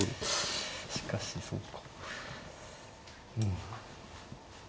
しかしそうか。